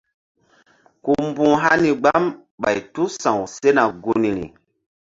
Ku mbu̧h hani gbam ɓay tu sa̧w sena gunri.